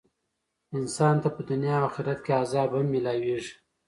انسان ته په دنيا او آخرت کي عذاب هم ميلاويږي .